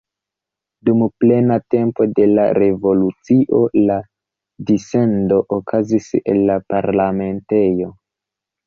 Dum plena tempo de la revolucio la dissendo okazis el la parlamentejo.